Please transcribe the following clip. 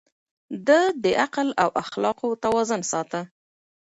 ده د عقل او اخلاقو توازن ساته.